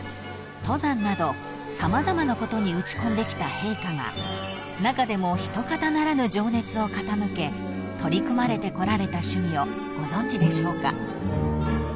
登山など様々なことに打ち込んできた陛下が中でもひとかたならぬ情熱を傾け取り組まれてこられた趣味をご存じでしょうか？］